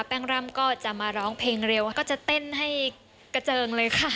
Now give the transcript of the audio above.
แป้งร่ำก็จะมาร้องเพลงเร็วแล้วก็จะเต้นให้กระเจิงเลยค่ะ